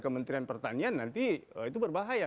kementerian pertanian nanti itu berbahaya